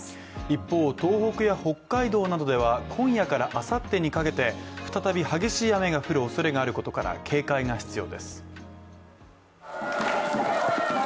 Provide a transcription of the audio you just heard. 一方、東北や北海道などでは今夜からあさってにかけて再び激しい雨が降るおそれがあることから警戒が必要です。